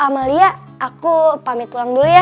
amalia aku pamit ulang dulu ya